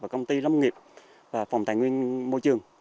công ty lâm nghiệp phòng tài nguyên môi trường